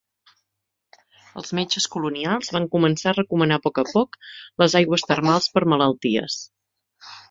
Els metges colonials van començar a recomanar a poc a poc les aigües termals per a malalties.